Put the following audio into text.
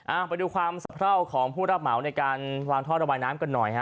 เอาไปดูความสะเพราของผู้รับเหมาในการวางท่อระบายน้ำกันหน่อยฮะ